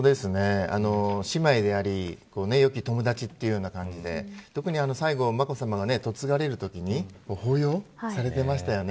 姉妹であり良き友達というような感じで特に最後、眞子さまが嫁がれるときに抱擁されていましたよね。